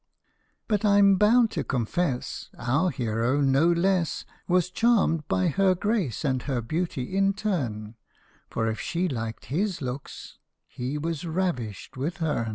But I 'm bound to confess Our hero no less Was charmed by her grace and her beauty in turn For if she liked his looks, he was ravished with " hern."